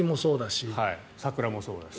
桜もそうだし。